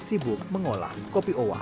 sibuk mengolah kopi owa